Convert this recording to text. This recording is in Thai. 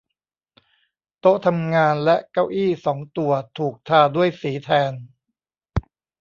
โต๊ะทำงานและเก้าอี้สองตัวถูกทาด้วยสีแทน